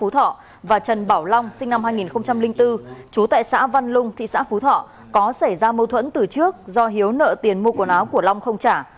tại xã văn lung thị xã phú thọ có xảy ra mâu thuẫn từ trước do hiếu nợ tiền mua quần áo của long không trả